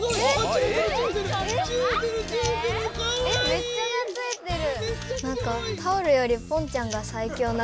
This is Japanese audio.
めっちゃなついてる。